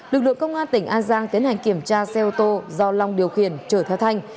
lực lượng công an tỉnh an giang tiến hành kiểm tra xe ô tô do long điều khiển trở theo thanh